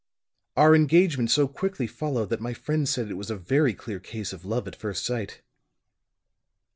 "Our engagement so quickly followed that my friends said it was a very clear case of love at first sight.